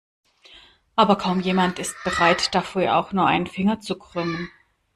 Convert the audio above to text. Aber kaum jemand ist bereit, dafür auch nur einen Finger zu krümmen.